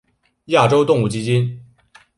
亚洲动物基金。